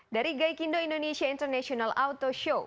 dari gaikindo indonesia international auto show